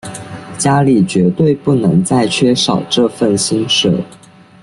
家里绝对不能再缺少这份薪水